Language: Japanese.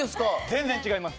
全然違います。